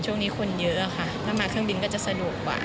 ช่วงนี้คนเยอะค่ะถ้ามาเครื่องบินก็จะสะดวกกว่า